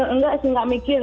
enggak sih enggak mikir